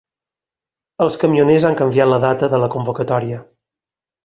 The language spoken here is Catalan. Els camioners han canviat la data de la convocatòria